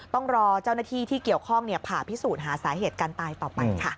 ต้องรอเจ้าหน้าที่ที่เกี่ยวข้องผ่าพิสูจน์หาสาเหตุการตายต่อไปค่ะ